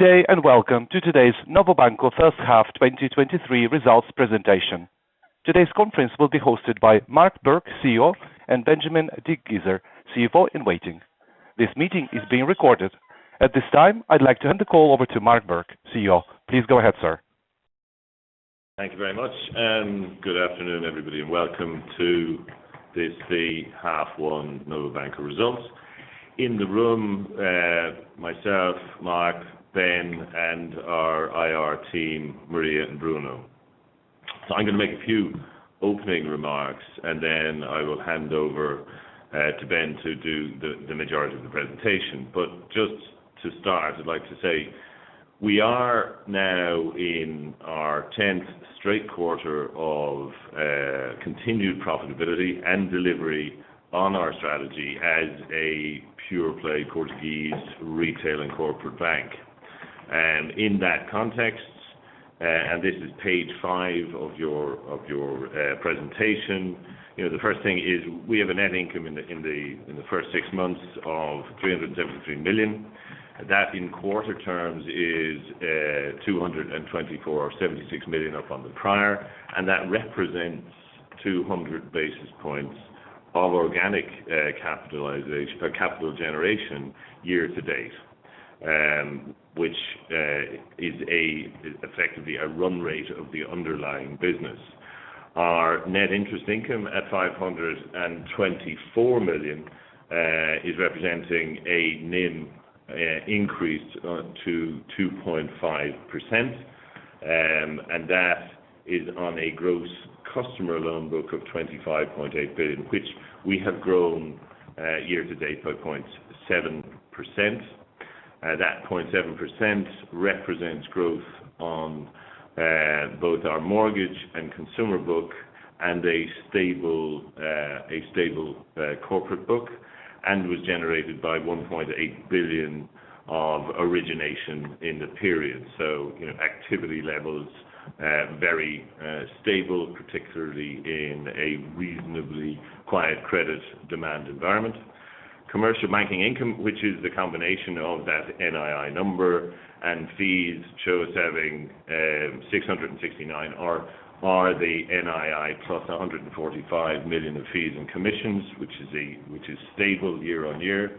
Good day, and welcome to today's Novo Banco first half 2023 results presentation. Today's conference will be hosted by Mark Bourke, CEO, and Benjamin Dickgiesser, CFO in waiting. This meeting is being recorded. At this time, I'd like to hand the call over to Mark Bourke, CEO. Please go ahead, sir. Thank you very much, good afternoon, everybody, and welcome to this the half 1 Novo Banco results. In the room, myself, Mark, Ben, and our IR team, Maria and Bruno. I'm going to make a few opening remarks, and then I will hand over to Ben to do the majority of the presentation. Just to start, I'd like to say we are now in our 10th straight quarter of continued profitability and delivery on our strategy as a pure play Portuguese retail and corporate bank. In that context, and this is page 5 of your presentation. You know, the first thing is we have a net income in the first 6 months of 373 million. That in quarter terms is 224 or 76 million up on the prior, and that represents 200 basis points of organic capitalization or capital generation year to date. Which is effectively a run rate of the underlying business. Our Net interest income at 524 million is representing a NIM increase to 2.5%. That is on a gross customer loan book of 25.8 billion, which we have grown year to date by 0.7%. That 0.7% represents growth on both our mortgage and consumer book and a stable, a stable corporate book, and was generated by 1.8 billion of origination in the period. You know, activity levels, very stable, particularly in a reasonably quiet credit demand environment. Commercial banking income, which is the combination of that NII number and fees, shows having 669 are the NII plus 145 million of fees and commissions, which is stable year-on-year.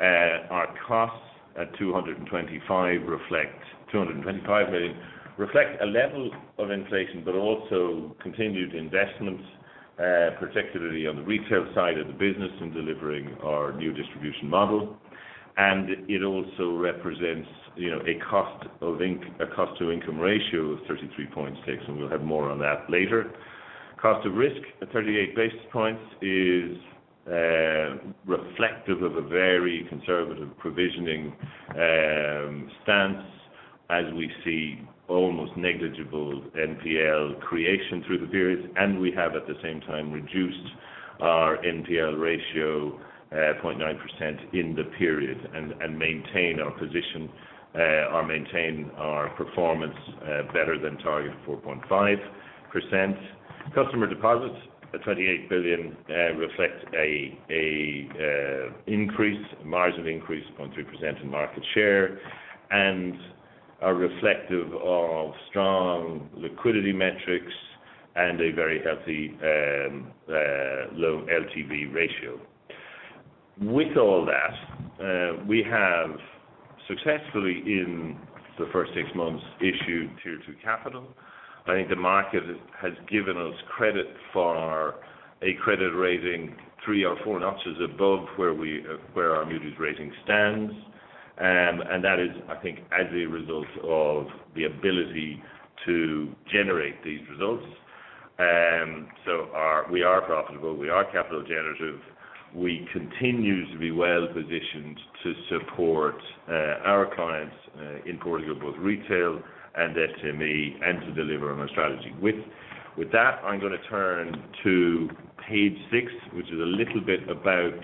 Our costs at 225 million reflect a level of inflation, but also continued investment, particularly on the retail side of the business in delivering our new distribution model. It also represents, you know, a cost to income ratio of 33.6%, and we'll have more on that later. Cost of risk at 38 basis points is reflective of a very conservative provisioning stance as we see almost negligible NPL creation through the period, and we have, at the same time, reduced our NPL ratio 0.9% in the period and maintain our position or maintain our performance better than target of 4.5%. Customer deposits at 28 billion reflect a increase, margin increase of 0.3% in market share, and are reflective of strong liquidity metrics and a very healthy low LTV ratio. With all that, we have successfully, in the first six months, issued Tier 2 capital. I think the market has given us credit for a credit rating, 3 or 4 notches above where we where our Moody's rating stands. That is, I think, as a result of the ability to generate these results. We are profitable, we are capital generative. We continue to be well positioned to support our clients in Portugal, both retail and SME, and to deliver on our strategy. With, with that, I'm going to turn to page 6, which is a little bit about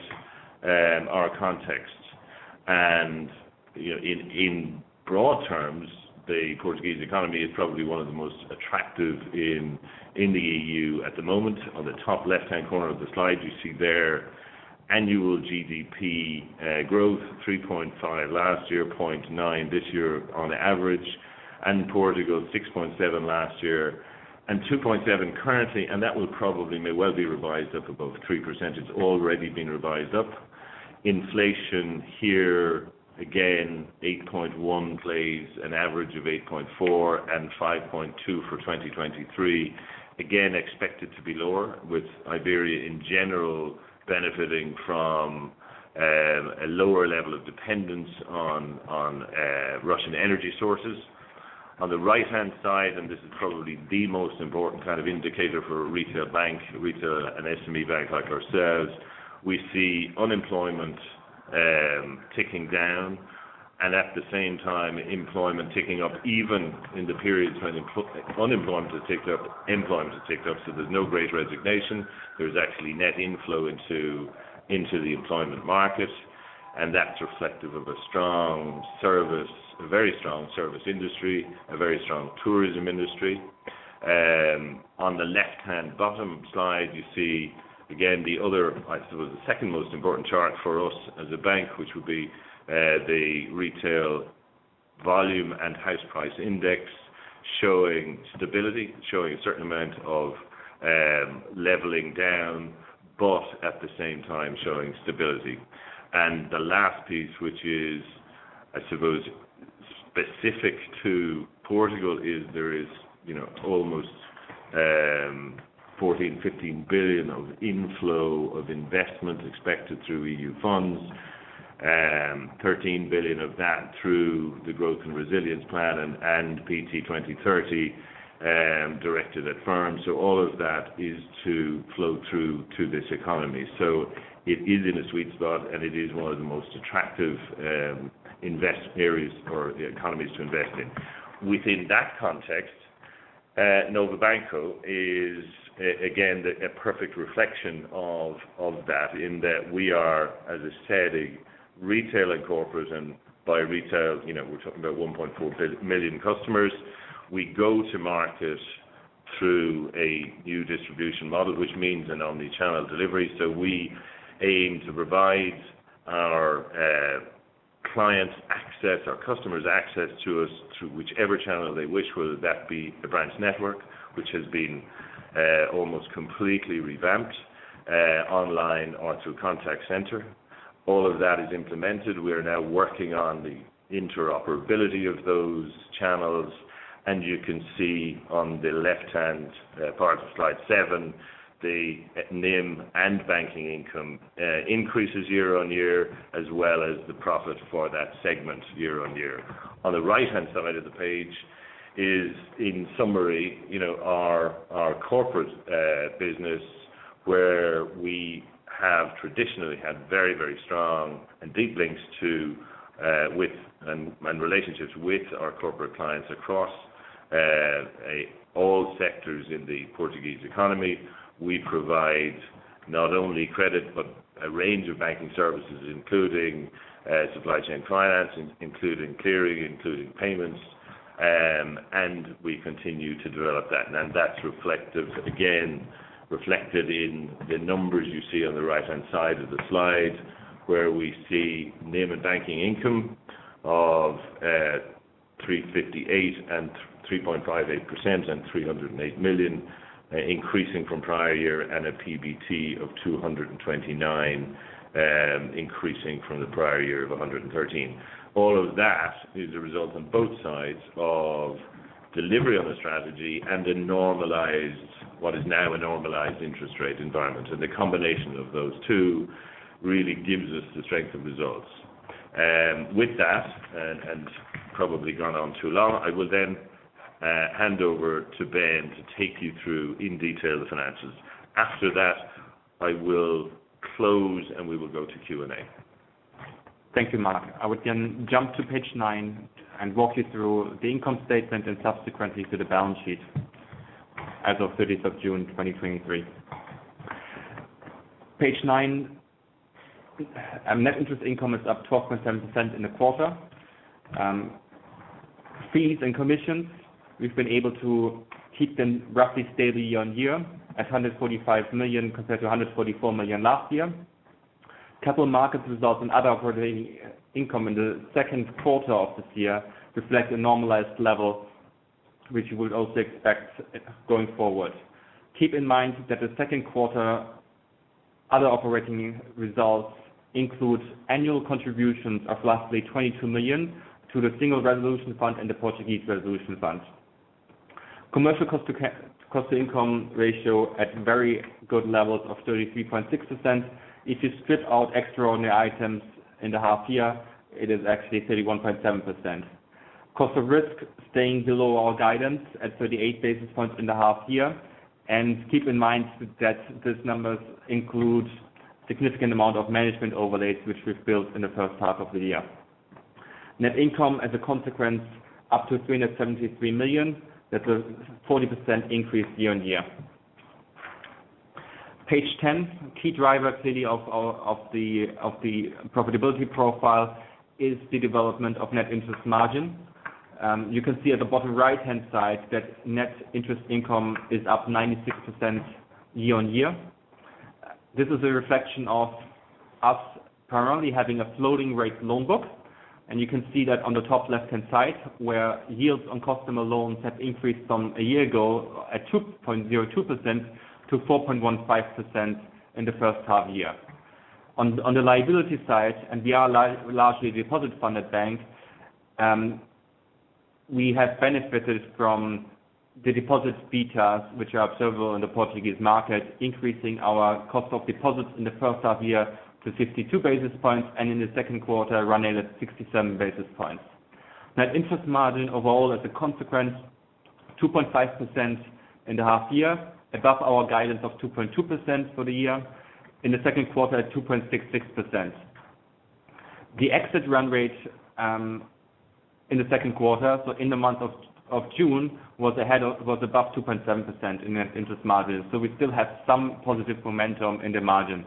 our context. You know, in, in broad terms, the Portuguese economy is probably one of the most attractive in, in the EU at the moment. On the top left-hand corner of the slide, you see their annual GDP growth, 3.5 last year, 0.9 this year on average, and Portugal 6.7 last year and 2.7 currently, and that will probably may well be revised up above 3%. It's already been revised up. Inflation here, again, 8.1 plays an average of 8.4 and 5.2 for 2023. Again, expected to be lower, with Iberia in general benefiting from a lower level of dependence on Russian energy sources. On the right-hand side, this is probably the most important kind of indicator for a retail bank, retail and SME bank like ourselves, we see unemployment ticking down, and at the same time, employment ticking up, even in the periods when unemployment has ticked up, employment has ticked up, so there's no great resignation. There's actually net inflow into the employment market, and that's reflective of a strong service, a very strong service industry, a very strong tourism industry. On the left-hand bottom slide, you see again, the other, I suppose, the second most important chart for us as a bank, which would be, the retail volume and house price index, showing stability, showing a certain amount of, leveling down, but at the same time, showing stability. The last piece, which is, I suppose, specific to Portugal, is there is, you know, almost 14 billion, 15 billion of inflow of investment expected through EU funds. 13 billion of that through the Recovery and Resilience Plan and Portugal 2030, directed at firms. All of that is to flow through to this economy. It is in a sweet spot, and it is one of the most attractive, invest areas or the economies to invest in. Within that context, Novo Banco is, again, the, a perfect reflection of, of that, in that we are, as I said, a retail and corporate, and by retail, you know, we're talking about 1.4 million customers. We go to market through a new distribution model, which means an omni-channel delivery. So we aim to provide our clients access, our customers access to us through whichever channel they wish, whether that be a branch network, which has been almost completely revamped, online or through contact center. All of that is implemented. We are now working on the interoperability of those channels, and you can see on the left-hand part of slide 7, the NIM and banking income increases year-on-year, as well as the profit for that segment year-on-year. On the right-hand side of the page is, in summary, you know, our, our corporate business, where we have traditionally had very, very strong and deep links to, with, and relationships with our corporate clients across all sectors in the Portuguese economy. We provide not only credit, but a range of banking services, including supply chain financing, including clearing, including payments, and we continue to develop that. That's reflective, again, reflected in the numbers you see on the right-hand side of the slide, where we see NIM and banking income of 358 and 3.58% and 308 million, increasing from prior year, and a PBT of 229, increasing from the prior year of 113. All of that is a result on both sides of delivery on the strategy and a normalized, what is now a normalized interest rate environment. The combination of those two really gives us the strength of results. With that, and probably gone on too long, I will then hand over to Ben to take you through in detail the finances. After that, I will close, and we will go to Q&A. Thank you, Mark. I would then jump to page 9 and walk you through the income statement and subsequently to the balance sheet as of June 30, 2023. page 9, Net interest income is up 12.7% in the quarter. Fees and commissions, we've been able to keep them roughly steady year-on-year, at 145 million compared to 144 million last year. Capital markets results and other operating income in the second quarter of this year reflect a normalized level, which you would also expect going forward. Keep in mind that the second quarter, other operating results includes annual contributions of roughly 22 million to the Single Resolution Fund and the Fundo de Resolução. Commercial cost-to-income ratio at very good levels of 33.6%. If you strip out extraordinary items in the half year, it is actually 31.7%. Cost of risk staying below our guidance at 38 basis points in the half year. Keep in mind that these numbers include significant amount of Management overlays, which we've built in the first half of the year. Net income, as a consequence, up to 373 million, that's a 40% increase year-on-year. page 10. Key driver clearly of the profitability profile is the development of Net interest margin. You can see at the bottom right-hand side that Net interest income is up 96% year-on-year. This is a reflection of us primarily having a floating rate loan book, and you can see that on the top left-hand side, where yields on customer loans have increased from a year ago, at 2.02% to 4.15% in the first half year. On the liability side, and we are largely a deposit-funded bank, we have benefited from the deposit betas, which are observable in the Portuguese market, increasing our cost of deposits in the first half year to 52 basis points, and in the second quarter, run at 67 basis points. Net interest margin overall, as a consequence, 2.5% in the half year, above our guidance of 2.2% for the year. In the second quarter, at 2.66%. The exit run rate, in the second quarter, so in the month of June, was above 2.7% in net interest margin, so we still have some positive momentum in the margin.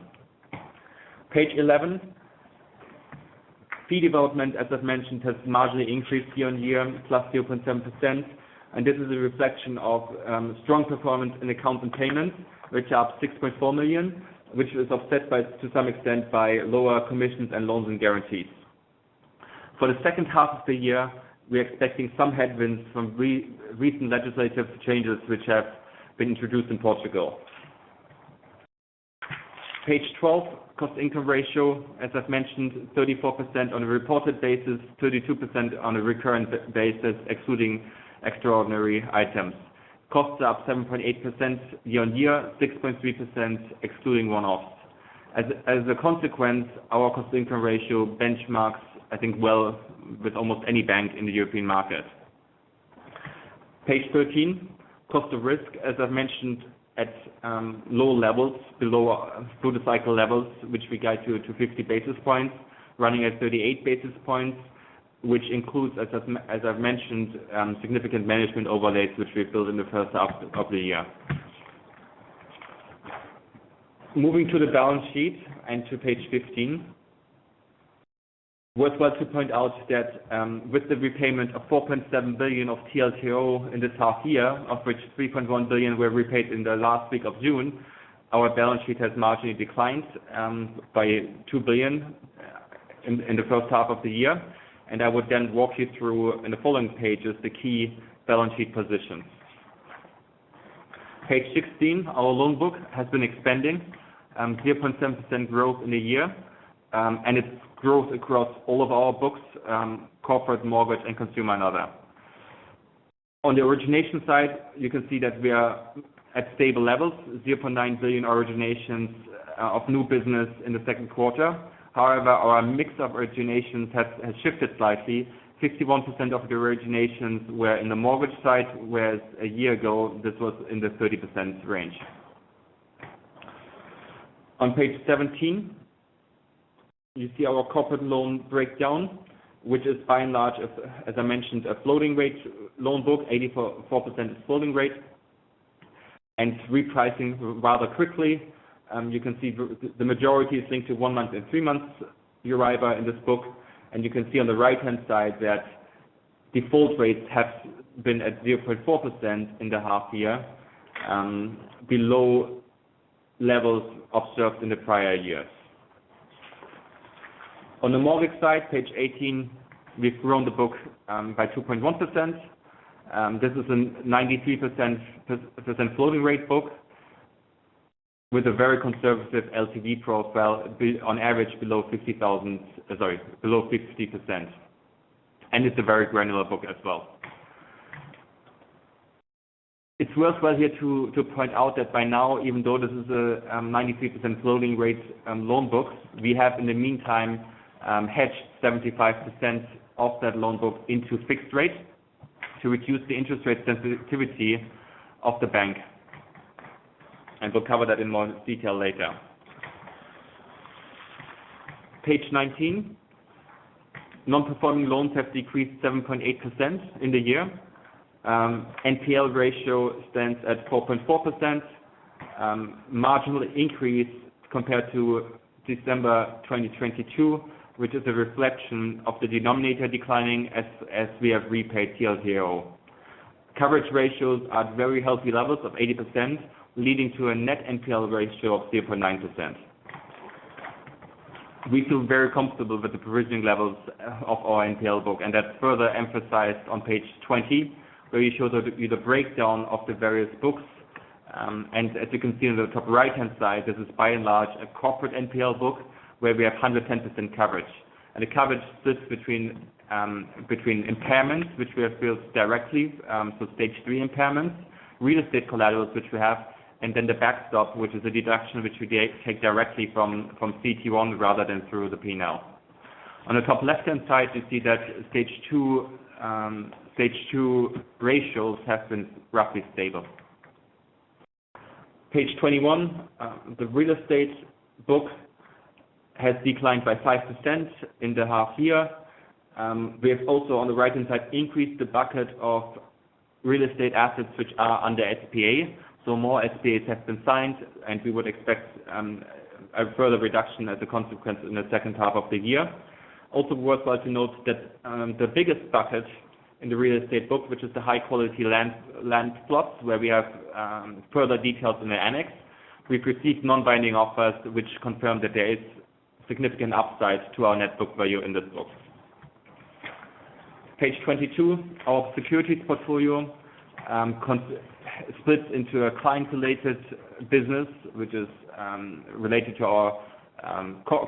page 11. Fee development, as I've mentioned, has marginally increased year-on-year, +0.7%, and this is a reflection of strong performance in account and payments, which are up 6.4 million, which is offset by, to some extent, by lower commissions and loans and guarantees. For the second half of the year, we are expecting some headwinds from recent legislative changes which have been introduced in Portugal. page 12, cost-income ratio, as I've mentioned, 34% on a reported basis, 32% on a recurrent basis, excluding extraordinary items. Costs are up 7.8% year-over-year, 6.3% excluding one-offs. As a consequence, our cost-to-income ratio benchmarks, I think well with almost any bank in the European market. page 13, Cost of risk, as I've mentioned, at low levels, below through the cycle levels, which we guide to 50 basis points, running at 38 basis points, which includes, as I, as I've mentioned, significant Management overlays, which we built in the first half of the year. Moving to the balance sheet and to page 15. What's left to point out that, with the repayment of 4.7 billion of TLTRO in this half year, of which 3.1 billion were repaid in the last week of June, our balance sheet has marginally declined by 2 billion in the first half of the year. I would then walk you through, in the following pages, the key balance sheet positions. page 16, our loan book has been expanding, 0.7% growth in a year. It's growth across all of our books, corporate, mortgage, and consumer and other. On the origination side, you can see that we are at stable levels, 0.9 billion originations of new business in the second quarter. However, our mix of originations has shifted slightly. 61% of the originations were in the mortgage side, whereas a year ago, this was in the 30% range. On page 17, you see our corporate loan breakdown, which is by and large, as I mentioned, a floating rate loan book, 84% is floating rate and repricing rather quickly. You can see the majority is linked to one month and three months EURIBOR in this book, and you can see on the right-hand side that default rates have been at 0.4% in the half year, below levels observed in the prior years. On the mortgage side, page 18, we've grown the book by 2.1%. This is a 93% floating rate book with a very conservative LTV profile, on average, below 50,000, sorry, below 60%. It's a very granular book as well. It's worthwhile here to point out that by now, even though this is a 93% floating rate loan book, we have, in the meantime, hedged 75% of that loan book into fixed rate to reduce the interest rate sensitivity of the bank. We'll cover that in more detail later. page 19. Non-performing loans have decreased 7.8% in the year. NPL ratio stands at 4.4%, marginal increase compared to December 2022, which is a reflection of the denominator declining as we have repaid TLTRO. Coverage ratios are at very healthy levels of 80%, leading to a net NPL ratio of 0.9%. We feel very comfortable with the provisioning levels of our NPL book, that's further emphasized on page 20, where we show the breakdown of the various books. As you can see on the top right-hand side, this is by and large, a corporate NPL book, where we have 100% coverage. The coverage sits between impairments, which we have built directly, so Stage 3 impairments, real estate collaterals, which we have, and then the backstop, which is a deduction which we take directly from CT1 rather than through the P&L. On the top left-hand side, you see that Stage 2 ratios have been roughly stable. page 21, the real estate book has declined by 5% in the half year. We have also, on the right-hand side, increased the bucket of real estate assets which are under SPA. More SPAs have been signed, and we would expect a further reduction as a consequence in the second half of the year. Also worthwhile to note that the biggest bucket in the real estate book, which is the high-quality land, land plots, where we have further details in the annex. We've received non-binding offers, which confirm that there is significant upside to our net book value in this book. page 22. Our securities portfolio splits into a client-related business, which is related to our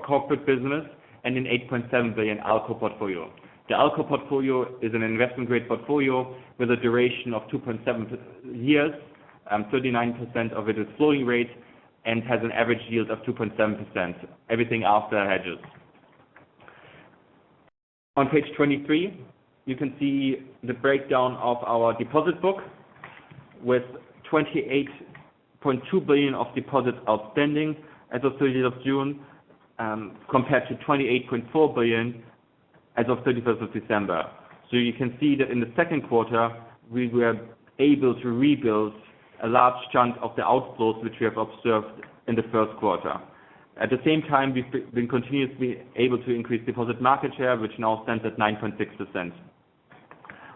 corporate business, and an 8.7 billion ALCO portfolio. The ALCO portfolio is an investment-grade portfolio with a duration of 2.7 years. 39% of it is floating rate and has an average yield of 2.7%, everything after hedges. On page 23, you can see the breakdown of our deposit book with 28.2 billion of deposits outstanding as of June 30, compared to 28.4 billion as of December 31. You can see that in the second quarter, we were able to rebuild a large chunk of the outflows, which we have observed in the first quarter. At the same time, we've been continuously able to increase deposit market share, which now stands at 9.6%.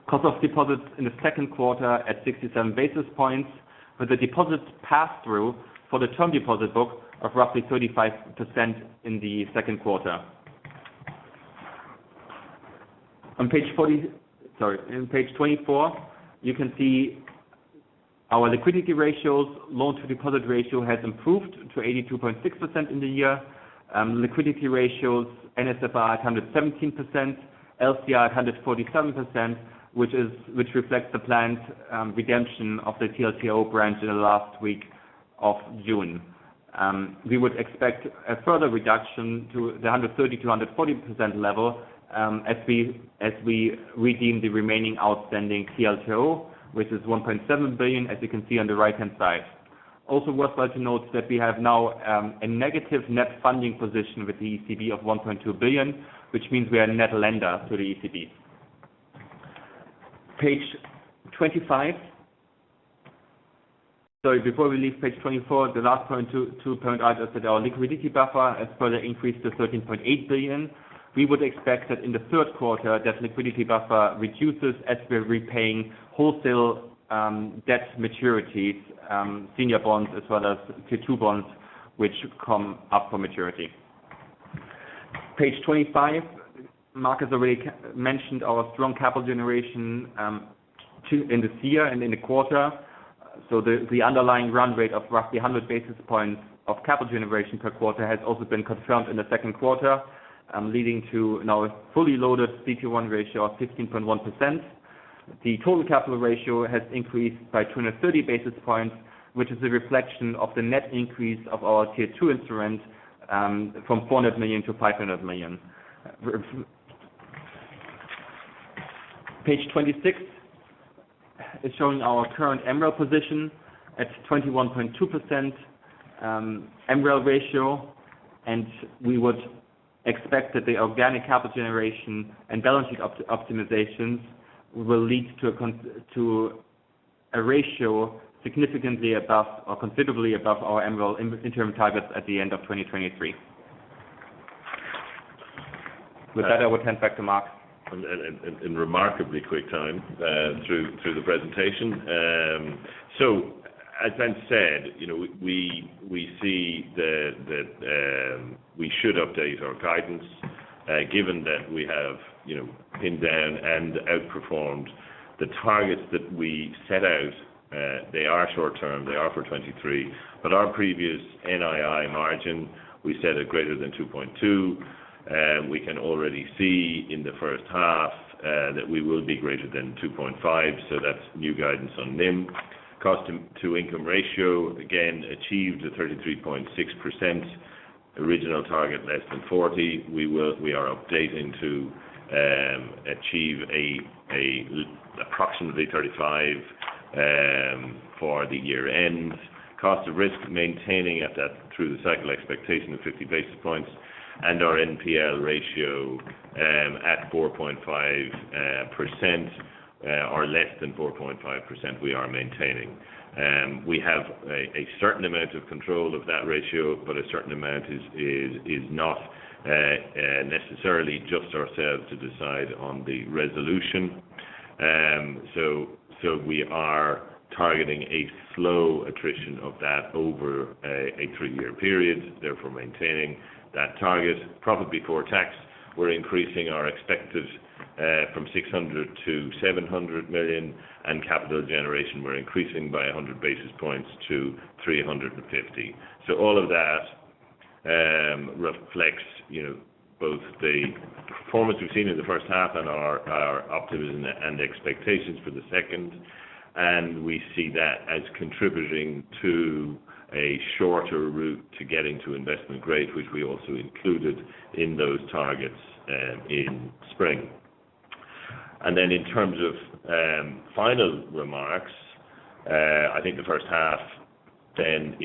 Cost of deposits in the second quarter at 67 basis points, with the deposits passed through for the term deposit book of roughly 35% in the second quarter. On page 40, sorry, in page 24, you can see our liquidity ratios, Loan-to-deposit ratio has improved to 82.6% in the year. Liquidity ratios, NSFR at 117%, LCR at 147%, which reflects the planned redemption of the TLTRO branch in the last week of June. We would expect a further reduction to the 130%-140% level, as we redeem the remaining outstanding TLTRO, which is 1.7 billion, as you can see on the right-hand side. Also worthwhile to note that we have now a negative net funding position with the ECB of 1.2 billion, which means we are net lender to the ECB. page 25. Sorry, before we leave page 24, the last point to point out is that our liquidity buffer has further increased to 13.8 billion. We would expect that in the third quarter, that liquidity buffer reduces as we're repaying wholesale debt maturities, senior bonds as well as Tier 2 bonds, which come up for maturity. page 25. Mark has already mentioned our strong capital generation to, in this year and in the quarter. The, the underlying run rate of roughly 100 basis points of capital generation per quarter has also been confirmed in the second quarter, leading to now a fully loaded CT1 ratio of 16.1%. The total capital ratio has increased by 230 basis points, which is a reflection of the net increase of our Tier 2 instruments, from 400 million to 500 million. page 26 is showing our current MREL position at 21.2%, MREL ratio, and we would expect that the organic capital generation and balance sheet optimizations will lead to a ratio significantly above or considerably above our MREL interim targets at the end of 2023. With that, I will hand back to Mark. In remarkably quick time, through the presentation. As I said, you know, we, we, we see that, that, we should update our guidance, given that we have, you know, pinned down and outperformed the targets that we set out. They are short term, they are for 2023, but our previous NII margin, we said are greater than 2.2, and we can already see in the first half, that we will be greater than 2.5. That's new guidance on NIM. Cost-to-income ratio, again, achieved a 33.6%. Original target, less than 40. We are updating to achieve approximately 35 for the year end. Cost of risk, maintaining at that through the cycle expectation of 50 basis points, and our NPL ratio, at 4.5%, or less than 4.5%, we are maintaining. We have a certain amount of control of that ratio, but a certain amount is, is, is not necessarily just ourselves to decide on the resolution. We are targeting a slow attrition of that over a three-year period, therefore maintaining that target. Profit before tax, we're increasing our expected, from 600 million-700 million, and capital generation, we're increasing by 100 basis points to 350 basis points. All of that reflects, you know, both the performance we've seen in the first half and our optimism and expectations for the second. We see that as contributing to a shorter route to getting to investment grade, which we also included in those targets in spring. Then in terms of final remarks, I think the first half then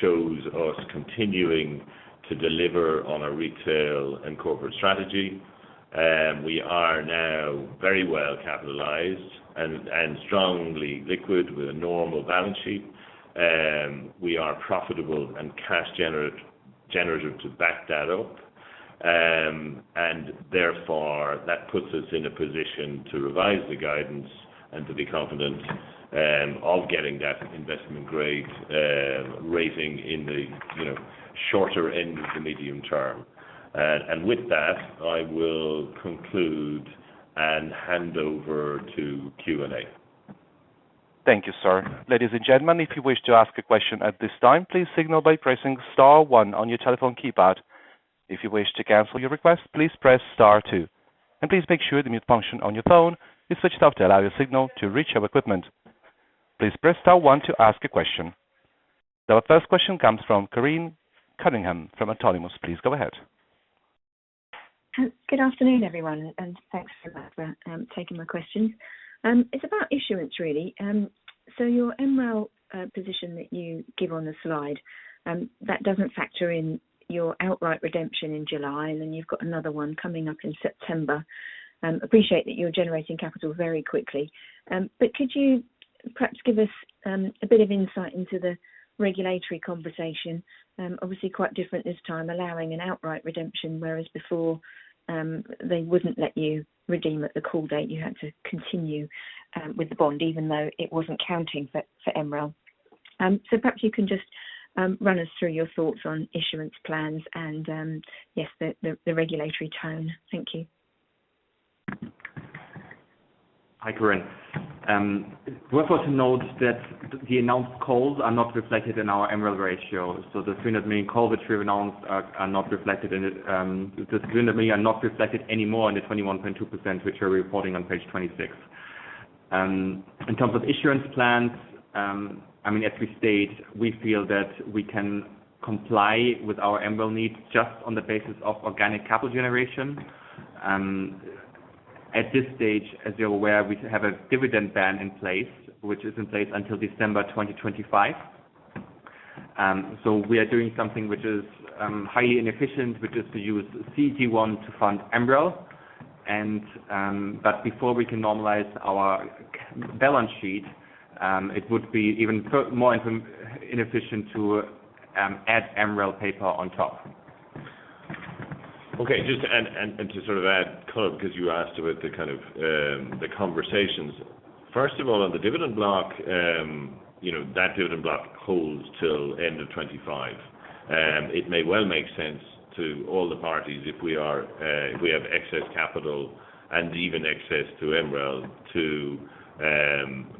shows us continuing to deliver on our retail and corporate strategy. We are now very well capitalized and strongly liquid with a normal balance sheet. We are profitable and cash generative to back that up. Therefore, that puts us in a position to revise the guidance and to be confident of getting that investment grade rating in the, you know, shorter end to medium term. With that, I will conclude and hand over to Q&A. Thank you, sir. Ladies and gentlemen, if you wish to ask a question at this time, please signal by pressing star 1 on your telephone keypad. If you wish to cancel your request, please press star 2, and please make sure the mute function on your phone is switched off to allow your signal to reach our equipment. Please press star 1 to ask a question. Our first question comes from Karene Cunningham from Autonomous. Please go ahead. Good afternoon, everyone. Thanks for that, for taking my question. It's about issuance, really. Your MREL position that you give on the slide, that doesn't factor in your outright redemption in July, and then you've got another one coming up in September. Appreciate that you're generating capital very quickly. Could you perhaps give us a bit of insight into the regulatory conversation? Obviously, quite different this time, allowing an outright redemption, whereas before, they wouldn't let you redeem at the call date. You had to continue with the bond, even though it wasn't counting for MREL. Perhaps you can just run us through your thoughts on issuance plans and, yes, the regulatory tone. Thank you. Hi, Karene. It's worth worth to note that the announced calls are not reflected in our MREL ratio. The 3 that being called, which we've announced, are, are not reflected in it. The 3 that me are not reflected anymore in the 21.2%, which are reporting on page 26. In terms of issuance plans, I mean, as we state, we feel that we can comply with our MREL needs just on the basis of organic capital generation. At this stage, as you're aware, we have a dividend ban in place, which is in place until December 2025. We are doing something which is highly inefficient, which is to use CET1 to fund MREL. Before we can normalize our balance sheet, it would be even more inefficient to add MREL paper on top. Okay. Just and to sort of add color, because you asked about the kind of, the conversations. First of all, on the dividend block, you know, that dividend block holds till end of 2025. It may well make sense to all the parties if we are, if we have excess capital and even access to MREL, to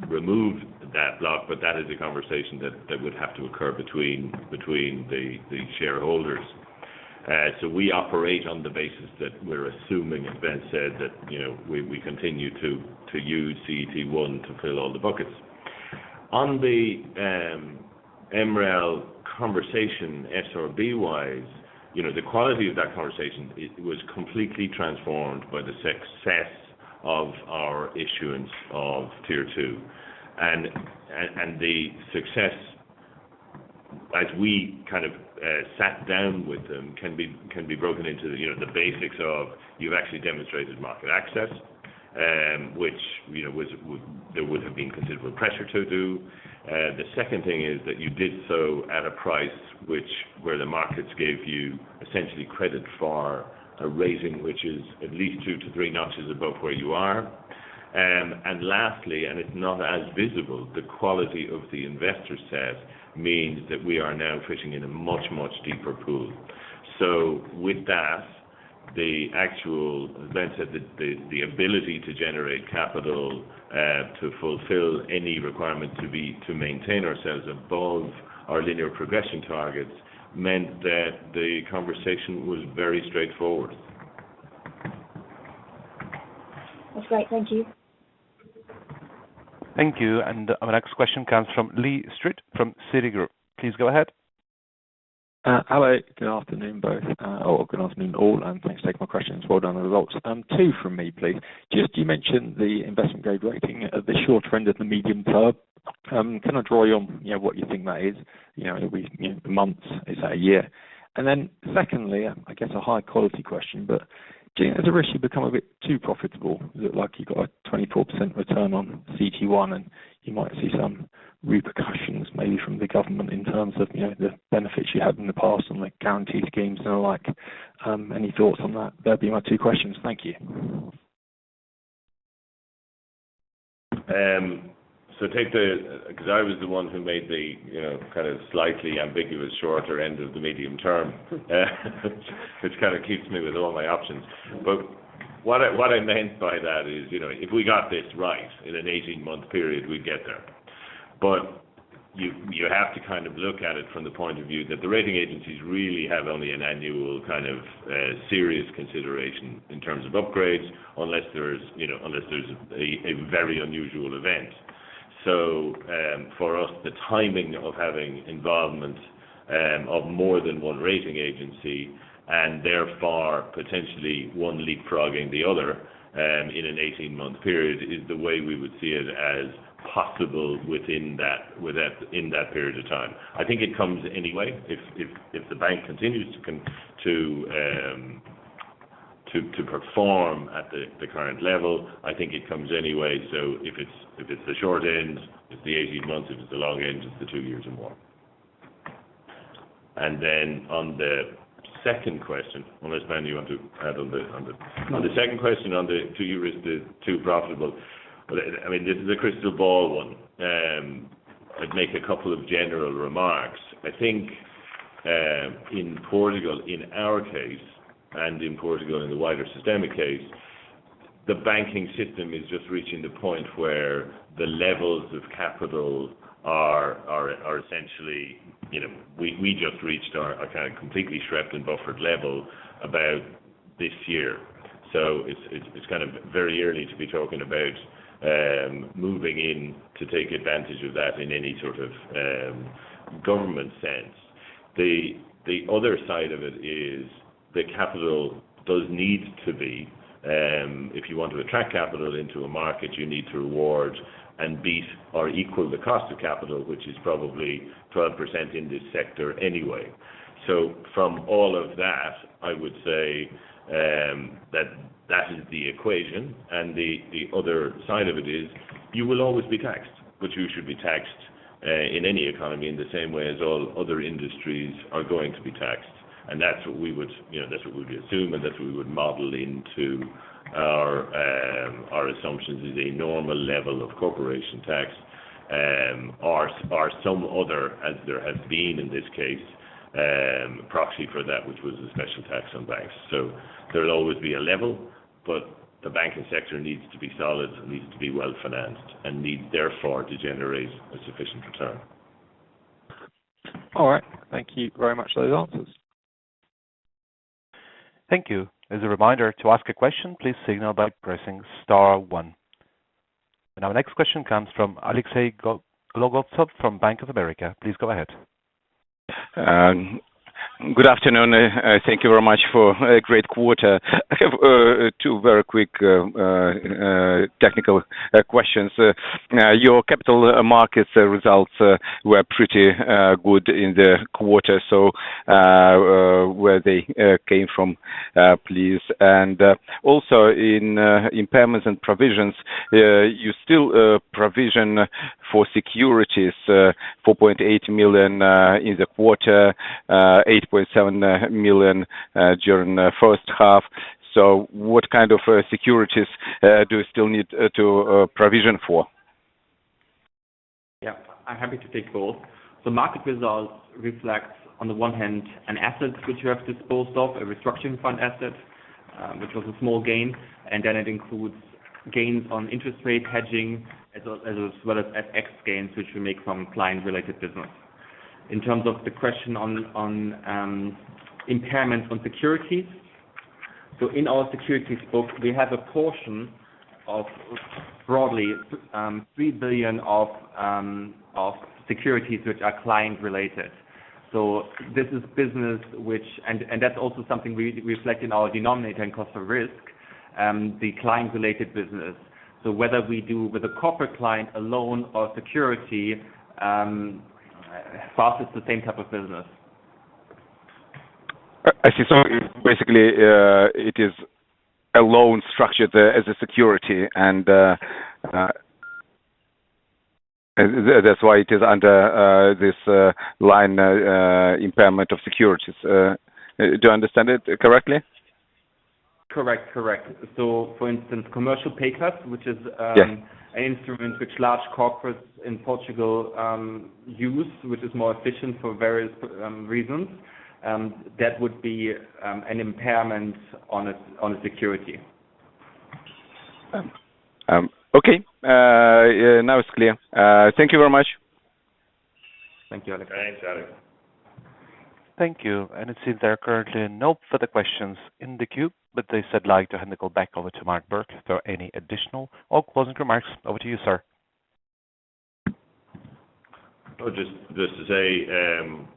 remove that block, but that is a conversation that, that would have to occur between the shareholders. We operate on the basis that we're assuming, as Ben said, that, you know, we, we continue to use CET1 to fill all the buckets. On the MREL conversation, SRB-wise, you know, the quality of that conversation it was completely transformed by the success of our issuance of Tier 2. The success, as we kind of sat down with them, can be, can be broken into, you know, the basics of you've actually demonstrated market access, which, you know, was, would, there would have been considerable pressure to do. The second thing is that you did so at a price which where the markets gave you essentially credit for a rating, which is at least two to three notches above where you are. Lastly, and it's not as visible, the quality of the investor set means that we are now fishing in a much, much deeper pool. With that, the actual event set, the, the, the ability to generate capital, to fulfill any requirement to be, to maintain ourselves above our linear progression targets, meant that the conversation was very straightforward. That's great. Thank you. Thank you. Our next question comes from Lee Street, from Citigroup. Please go ahead. Hello, good afternoon, both. Or good afternoon, all, and thanks for taking my questions. Well done on the results. 2 from me, please. Just you mentioned the investment grade rating at the short end of the medium term. Can I draw you on, you know, what you think that is? You know, it'll be, you know, months, is that a year? Secondly, I guess a high quality question, but do you have the risk you become a bit too profitable? Is it like you got a 24% return on CET1, and you might see some repercussions, maybe from the government in terms of, you know, the benefits you had in the past and, like, guaranteed schemes and the like. Any thoughts on that? That'd be my 2 questions. Thank you. So take the... Because I was the one who made the, you know, kind of slightly ambiguous, shorter end of the medium term, which kind of keeps me with all my options. What I, what I meant by that is, you know, if we got this right, in an 18-month period, we'd get there. You, you have to kind of look at it from the point of view that the rating agencies really have only an annual kind of serious consideration in terms of upgrades, unless there's, you know, unless there's a very unusual event. For us, the timing of having involvement of more than one rating agency, and therefore potentially one leapfrogging the other, in an 18-month period, is the way we would see it as possible within that, with that, in that period of time. I think it comes anyway. If, if, if the bank continues to perform at the current level, I think it comes anyway. If it's, if it's the short end, it's the 18 months; if it's the long end, it's the 2 years or more. On the second question, unless, Ben, you want to add on the. No. On the second question, on the, to you, is the too profitable? Well, I mean, this is a crystal ball one. I'd make a couple of general remarks. I think, in Portugal, in our case, and in Portugal, in the wider systemic case, the banking system is just reaching the point where the levels of capital are, are, are essentially, you know, we, we just reached our, a kind of completely shriveled and buffered level about this year. It's, it's, it's kind of very early to be talking about, moving in to take advantage of that in any sort of, government sense. The, the other side of it is the capital does need to be, if you want to attract capital into a market, you need to reward and beat or equal the cost of capital, which is probably 12% in this sector anyway. From all of that, I would say that that is the equation. The, the other side of it is you will always be taxed, but you should be taxed in any economy, in the same way as all other industries are going to be taxed. That's what we would, you know, that's what we would assume, and that's what we would model into our assumptions, is a normal level of corporation tax, or, or some other, as there has been in this case, proxy for that, which was a special tax on banks. There will always be a level, but the banking sector needs to be solid and needs to be well-financed and need, therefore, to generate a sufficient return. All right. Thank you very much for those answers. Thank you. As a reminder to ask a question, please signal by pressing star 1. Our next question comes from Alexey Gologuzov from Bank of America. Please go ahead. Good afternoon. Thank you very much for a great quarter. I have two very quick technical questions. Your capital markets results were pretty good in the quarter, so where they came from, please? Also in impairments and provisions, you still provision for securities, 4.8 million in the quarter, 8.7 million during the first half. What kind of securities do you still need to provision for? Yeah, I'm happy to take both. The market results reflects, on the one hand, an asset which we have disposed of, a restructuring fund asset, which was a small gain. Then it includes gains on interest rate hedging, as well, as well as FX gains, which we make from client-related business. In terms of the question on, on impairment on securities, in our securities book, we have a portion of broadly 3 billion of securities which are client related. So this is business which... That's also something we, we reflect in our denominator and cost of risk, the client-related business. Whether we do with a corporate client, a loan, or security, for us it's the same type of business. I see. Basically, it is a loan structured as a security, and that's why it is under this line, impairment of securities. Do I understand it correctly? Correct. Correct. For instance, commercial paper, which is. Yeah... an instrument which large corporates in Portugal use, which is more efficient for various reasons, that would be an impairment on a, on a security. Okay. Now it's clear. Thank you very much. Thank you, Alexey. Thanks, Alexey. Thank you. It seems there are currently no further questions in the queue, but they said I'd like to hand it back over to Mark Bourke for any additional or closing remarks. Over to you, sir. Well, just, just to say.